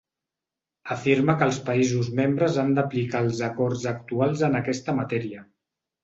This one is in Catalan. Afirma que els països membres han d’aplicar els acords actuals en aquesta matèria.